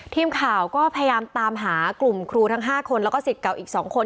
ทีมข่าวก็พยายามตามหากลุ่มครูทั้ง๕คนแล้วก็สิทธิ์เก่าอีก๒คน